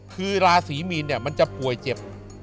คือราศีมีนเนี่ยมันจะป่วยเจ็บ